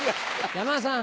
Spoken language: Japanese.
山田さん